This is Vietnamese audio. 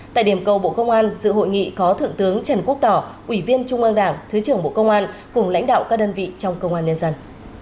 tại điểm cầu bộ công an dự hội nghị có thượng tướng trần quốc tỏ ủy viên trung ương đảng thứ trưởng bộ công an cùng lãnh đạo các đơn vị trong công an nhân dân